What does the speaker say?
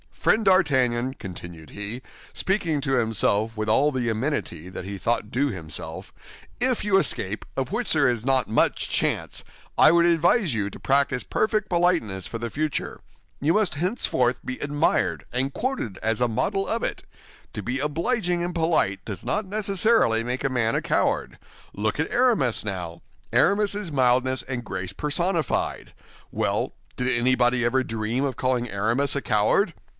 Friend D'Artagnan," continued he, speaking to himself with all the amenity that he thought due himself, "if you escape, of which there is not much chance, I would advise you to practice perfect politeness for the future. You must henceforth be admired and quoted as a model of it. To be obliging and polite does not necessarily make a man a coward. Look at Aramis, now; Aramis is mildness and grace personified. Well, did anybody ever dream of calling Aramis a coward?